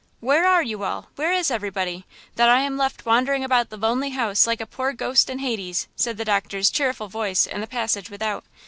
"Where are you all? Where is everybody–that I am left wandering about the lonely house like a poor ghost in Hades?" said the doctor's cheerful voice in the passage without.